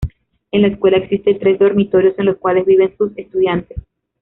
En la escuela existen tres dormitorios en los cuales viven sus estudiantes.